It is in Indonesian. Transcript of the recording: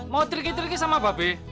mau triki triki sama babi